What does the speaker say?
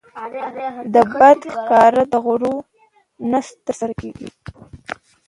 د بدن په ښکاره غړو نه ترسره کېږي.